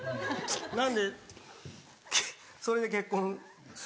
なんでそれで「結婚する？」。